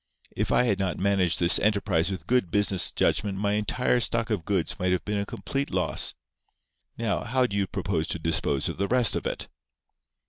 If I had not managed this enterprise with good business judgment my entire stock of goods might have been a complete loss. Now, how do you propose to dispose of the rest of it?"